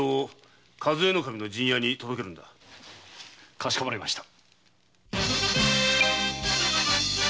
かしこまりました。